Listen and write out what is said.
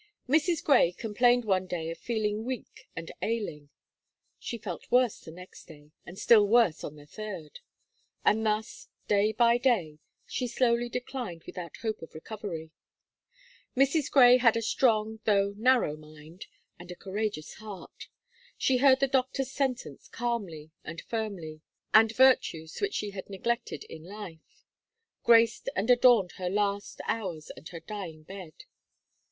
Mrs. Gray complained one day of feeling weak and ailing. She felt worse the next day, and still worse on the third. And thus, day by day, she slowly declined without hope of recovery. Mrs. Gray had a strong, though narrow mind, and a courageous heart. She heard the doctor's sentence calmly and firmly; and virtues which she had neglected in life, graced and adorned her last hours and her dying bed.